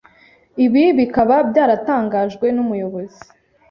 ibi bikaba byaratangajwe n’Umuyobozi